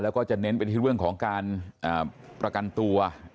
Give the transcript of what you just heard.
แล้วก็จะเน้นไปที่เรื่องของการประกันตัว